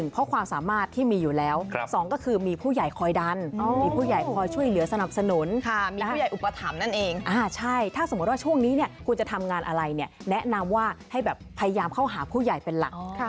ถ้าสมมุติว่าช่วงนี้เนี่ยคุณจะทำงานอะไรเนี่ยแนะนำว่าให้แบบพยายามเข้าหาผู้ใหญ่เป็นหลัก